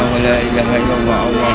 cepat minta peninduan allah